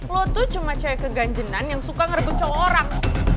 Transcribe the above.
lo tuh cuma kayak keganjenan yang suka ngerebut sama orang